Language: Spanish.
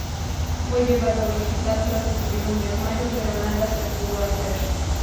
Fue llevado al hospital tras sufrir un desmayo pero nada se pudo hacer.